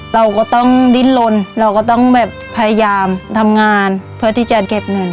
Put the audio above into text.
เราก็ต้องดิ้นลนเราก็ต้องแบบพยายามทำงานเพื่อที่จะเก็บเงิน